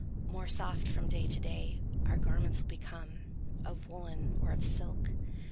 More soft, from day to day, our garments will Become, of woollen or of silk.